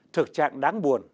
thực trạng đáng buồn